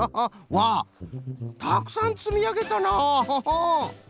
わあたくさんつみあげたな！